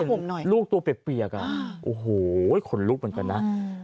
แล้วเห็นลูกตัวเปรียกอ่ะโอ้โหคนลูกเหมือนกันนะ